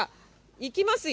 いきますよ。